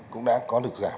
cũng đã có được giảm